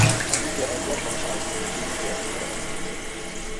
اۤ مُوکۤہ اکبر خان آش تے دی مُوکۤہ عمر آش